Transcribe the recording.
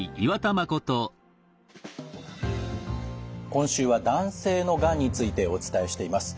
今週は男性のがんについてお伝えしています。